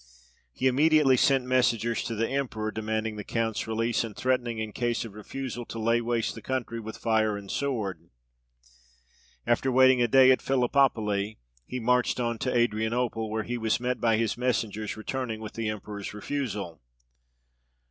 He immediately sent messengers to the emperor, demanding the count's release, and threatening, in case of refusal, to lay waste the country with fire and sword. After waiting a day at Philippopoli, he marched on to Adrianople, where he was met by his messengers returning with the emperor's refusal.